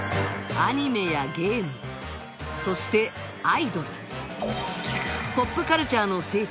アニメやゲームそしてアイドル